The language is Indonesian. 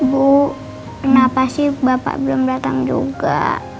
bu kenapa sih bapak belum datang juga